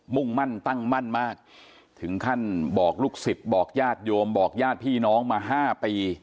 มุ่งมั่นตั้งมั่นมากถึงขั้นบอกลูกศิษย์บอกญาติโยมบอกญาติพี่น้องมา๕ปี